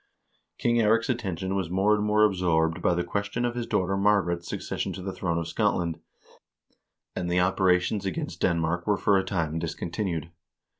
King Eirik's attention was more and more absorbed by the ques tion of his daughter Margaret's succession to the throne of Scotland, and the operations against Denmark were for a time discontinued.